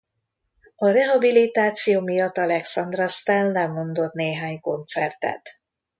A rehabilitáció miatt Alexandra Stan lemondott néhány koncertet.